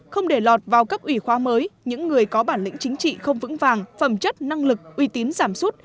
không để lọt vào cấp ủy khoa mới những người có bản lĩnh chính trị không vững vàng phẩm chất năng lực uy tín giảm sút